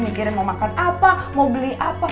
mikirin mau makan apa mau beli apa